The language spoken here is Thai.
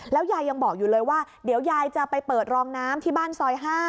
ยายยังบอกอยู่เลยว่าเดี๋ยวยายจะไปเปิดรองน้ำที่บ้านซอย๕